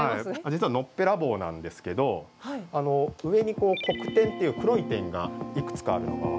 実はのっぺらぼうなんですけど上に黒点っていう黒い点がいくつかあるのが分かると。